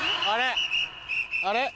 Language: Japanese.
あれ？